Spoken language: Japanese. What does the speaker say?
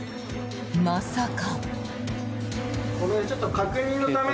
まさか。